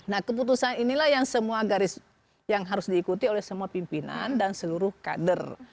nah keputusan inilah yang semua garis yang harus diikuti oleh semua pimpinan dan seluruh kader